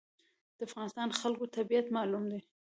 د افغانستان خلکو طبیعت معلوم دی.